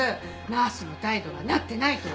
ナースの態度がなってないと。